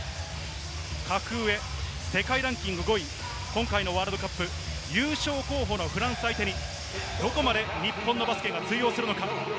格上、世界ランキング５位、今回のワールドカップ優勝候補のフランス相手にどこまで日本のバスケが通用するのか。